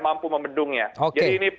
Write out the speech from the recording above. mampu membedungnya jadi ini